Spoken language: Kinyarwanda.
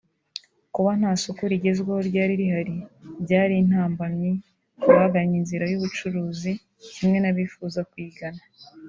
Kuba nta soko rigezweho ryari rihari byari intambamyi ku bagannye inzira y’ubucuruzi kimwe n’abifuzaga kuyigana